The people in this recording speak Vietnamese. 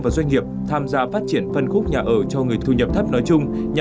và doanh nghiệp tham gia phát triển phân khúc nhà ở cho người thu nhập thấp nói chung